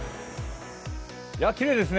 きれいですね。